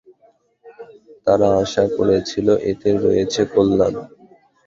তারা আশা করেছিল, এতে রয়েছে কল্যাণ।